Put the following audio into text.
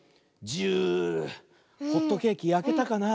ジューホットケーキやけたかな。